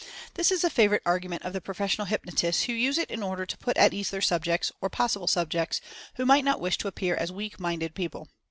This is a favorite argument of 68 Mental Fascination the professional hypnotists, who use it in order to put at ease their subjects, or possible subjects, who might not wish to appear as " weak minded" people.